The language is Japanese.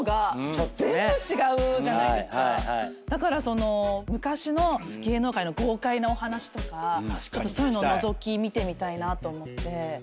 だから昔の芸能界の豪快なお話とかちょっとそういうののぞき見てみたいなと思って。